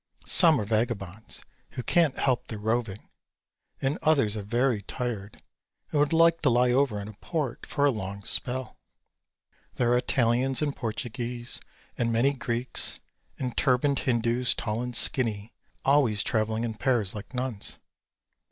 Some are Vagabonds who can't help their roving, and others are very tired and would like to lie over in port for or a long spell. There are Italians, and Portuguese, and many Greeks, and turbaned Hindus, tall and skinny, always traveling in pairs like nuns.